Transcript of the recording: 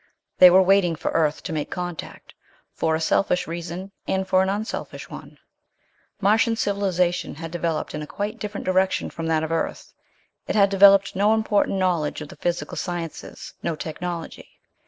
They were waiting for Earth to make contact, for a selfish reason and for an unselfish one. Martian civilization had developed in a quite different direction from that of Earth. It had developed no important knowledge of the physical sciences, no technology.